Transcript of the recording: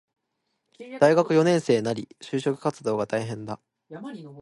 大学四年生なり、就職活動が大変だ